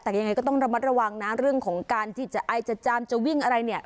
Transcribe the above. แต่ยังไงก็ต้องระมัดระวังนะเรื่องของการที่จะไอจะจามจะวิ่งอะไรเนี่ย